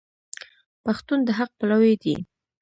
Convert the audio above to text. پښتون د حق پلوی دی.